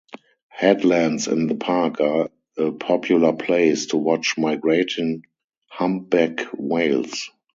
Headlands in the park are a popular place to watch migrating humpback whales.